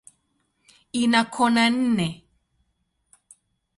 Ina kona nne.